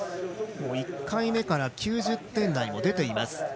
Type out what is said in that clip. １回目から９０点台も出ています。